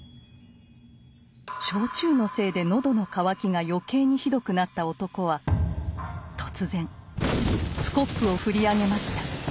焼酎のせいで喉の渇きが余計にひどくなった男は突然スコップを振り上げました。